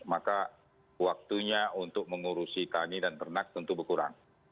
maka waktunya untuk mengurusi tani dan ternak tentu berkurang